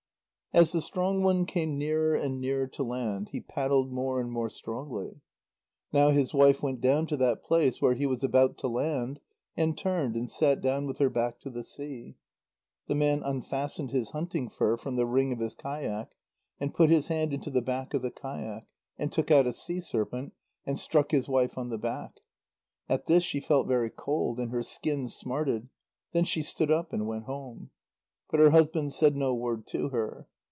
As the strong one came nearer and nearer to land, he paddled more and more strongly. Now his wife went down to that place where he was about to land, and turned and sat down with her back to the sea. The man unfastened his hunting fur from the ring of his kayak, and put his hand into the back of the kayak, and took out a sea serpent, and struck his wife on the back. At this she felt very cold, and her skin smarted. Then she stood up and went home. But her husband said no word to her.